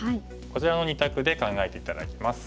こちらの２択で考えて頂きます。